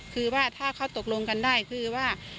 คือว่าถ้าเขาตกลงกันได้คือว่า